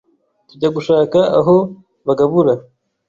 tujya gushaka aho bagabura.